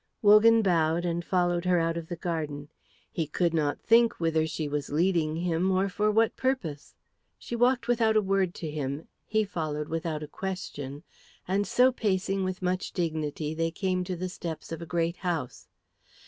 Wogan bowed, and followed her out of the garden. He could not think whither she was leading him, or for what purpose. She walked without a word to him, he followed without a question, and so pacing with much dignity they came to the steps of a great house.